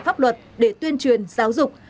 pháp luật để tuyên truyền giáo dục